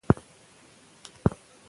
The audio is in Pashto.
ژبه د کلتور رنګ ساتي.